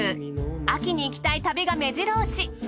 秋に行きたい旅が目白押し。